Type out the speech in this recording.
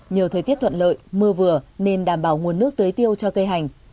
nhờ thời tiết thuận lợi mưa vừa nên đảm bảo nguồn nước tưới tiêu cho cây hành